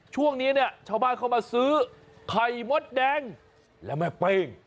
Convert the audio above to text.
ช่วงนี้เนี่ยชาวบ้านเข้ามาซื้อไข่มดแดงและแม่เป้ง